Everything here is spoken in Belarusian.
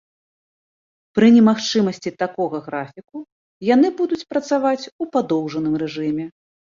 Пры немагчымасці такога графіку яны будуць працаваць у падоўжаным рэжыме.